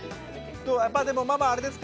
やっぱりでもママあれですか。